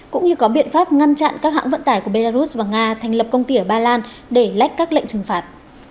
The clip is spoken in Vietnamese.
cũng như có biện pháp ngăn chặn các hãng vận tải của belarus và nga thành lập công ty ở ba lan để lách các lệnh trừng phạt